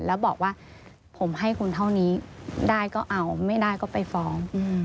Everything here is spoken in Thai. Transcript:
แล้วบอกว่าผมให้คุณเท่านี้ได้ก็เอาไม่ได้ก็ไปฟ้อง